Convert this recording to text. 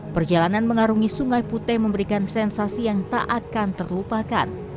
perjalanan mengarungi sungai putih memberikan sensasi yang tak akan terlupakan